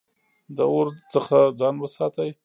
د اور څخه ځان وساتئ